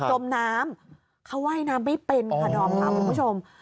จมน้ำเขาว่ายน้ำไม่เป็นคุณผู้ชม